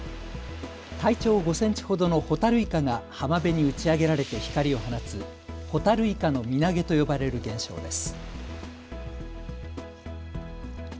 体長５センチほどのホタルイカが浜辺に打ち上げられて光を放つホタルイカの身投げと呼ばれる現象です。